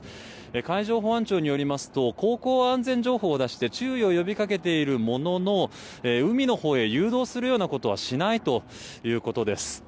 海上保安庁によりますと航行安全情報を出して注意を呼び掛けているものの海のほうへ誘導するようなことはしないということです。